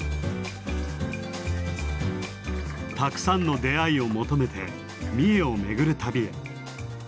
たくさんの出会いを求めて三重を巡る旅へ。